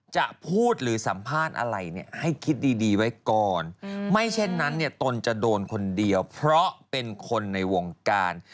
จะพูดหรือสัมภาษณ์อะไรเนี่ยให้คิดดีไว้ก่อนไม่เช่นนั้นเนี่ยตนจะโดนคนเดียวเพราะเป็นคนในวงการ